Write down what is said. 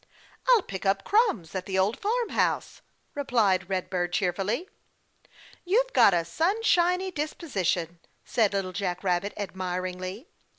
"I'll pick up crumbs at the Old Farm House," replied Red Bird cheerfully. "You've got a sunshiny disposition," said Little Jack Rabbit admiringly.